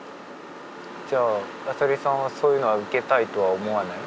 じゃあ浅利さんはそういうのは受けたいとは思わない？